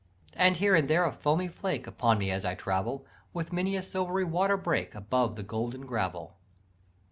"And here and there a foamy flake Upon me as I travel, With many a silvery waterbreak Above the golden gravel.